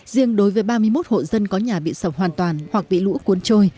riêng đối với ba mươi một hộ dân có nhà bị sập hoàn toàn hoặc bị lũ cuốn trôi